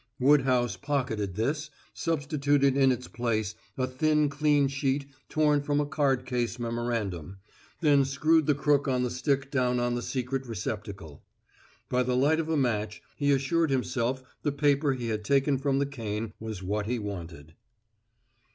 Woodhouse pocketed this, substituted in its place a thin clean sheet torn from a card case memorandum, then screwed the crook on the stick down on the secret receptacle. By the light of a match he assured himself the paper he had taken from the cane was what he wanted.